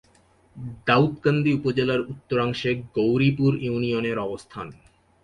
দাউদকান্দি উপজেলার উত্তরাংশে গৌরীপুর ইউনিয়নের অবস্থান।